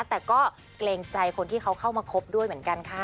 แต่ก็เกรงใจคนที่เขาเข้ามาคบด้วยเหมือนกันค่ะ